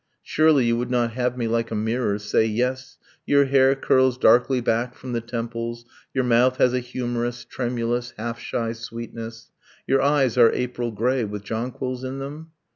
Surely you would not have me, like a mirror, Say 'yes, your hair curls darkly back from the temples, Your mouth has a humorous, tremulous, half shy sweetness, Your eyes are April grey. ... with jonquils in them?'